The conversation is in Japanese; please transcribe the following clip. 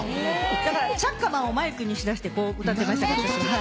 だからチャッカマンをマイクにしてこう、歌ってましたよ。